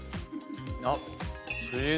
あっ！